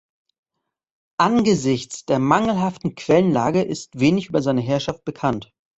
Angesichts der mangelhaften Quellenlage ist wenig über seine Herrschaft bekannt.